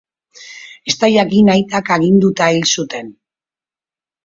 Ez da jakin aitak aginduta hil zuten.